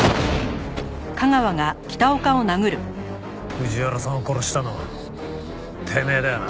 藤原さんを殺したのてめえだよな！？